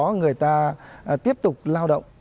và có khi người ta tiếp tục làm